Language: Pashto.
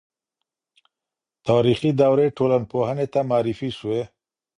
تاریخي دورې ټولنپوهنې ته معرفي سوې.